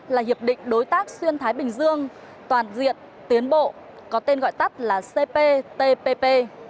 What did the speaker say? là hiệp định đối tác xuyên thái bình dương toàn diện tiến bộ có tên gọi tắt là cptpp